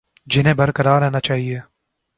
جنہیں برقرار رہنا چاہیے